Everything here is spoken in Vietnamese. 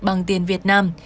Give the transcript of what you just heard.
bằng tiền việt nam